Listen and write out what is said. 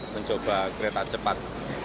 mencoba kereta cepat